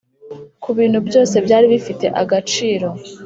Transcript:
'kubintu byose byari bifite agaciro